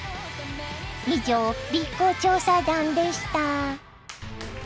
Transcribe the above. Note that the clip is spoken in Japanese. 以上Ｂ公調査団でした。